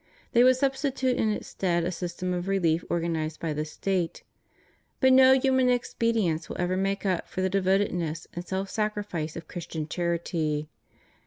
They would substitute in its stead a system of relief organized by the State. But no human expedients will ever make up for the devotedness and self sacrifice of Christian charity.